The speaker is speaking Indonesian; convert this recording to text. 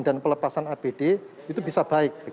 dan pelepasan apd itu bisa baik